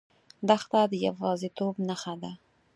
دښته د یوازیتوب نښه ده.